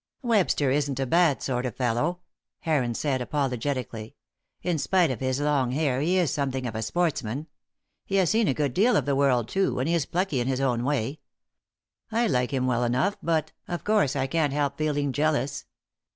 "Webster isn't a bad sort of fellow," Heron said, apologetically. "In spite of his long hair, he is something of a sportsman. He has seen a good deal of the world, too, and he is plucky in his own way. I like him well enough but, of course, I can't help feeling jealous.